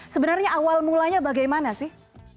sebenarnya awal mulanya bagaimana sih